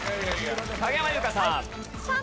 影山優佳さん。